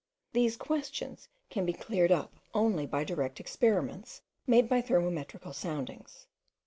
These questions can be cleared up only by direct experiments, made by thermometrical soundings.